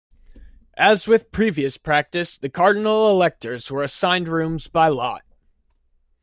As with previous practice, the cardinal electors were assigned rooms by lot.